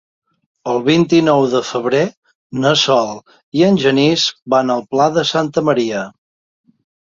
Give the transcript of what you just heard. El vint-i-nou de febrer na Sol i en Genís van al Pla de Santa Maria.